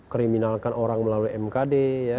teriminal orang melalui mkd